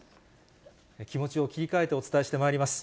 気持ちを切り替えてお伝えしてまいります。